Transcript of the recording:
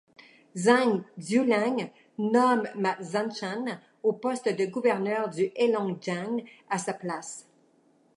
Zhang Xueliang nomme Ma Zhanshan au poste de gouverneur du Heilongjiang à sa place.